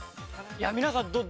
いや皆さん。